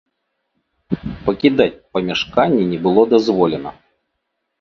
Пакідаць памяшканне не было дазволена.